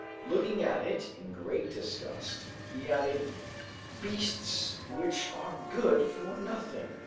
Looking at it in great disgust, he added, "beasts which are good for nothing!"